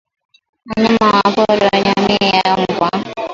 wanyamapori wa jamii ya mbwa